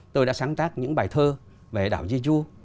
tôi đã sáng tác những bài thơ về đảo jeju